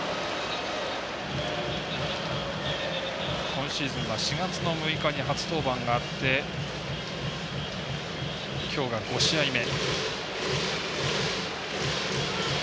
今シーズンは４月６日に初登板があってきょうが５試合目。